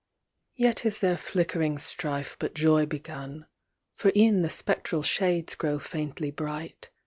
Yet is their flickering strife but joy begun ; For e'en the spectral shades grow faintly bright.